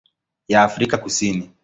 ya Afrika Kusini.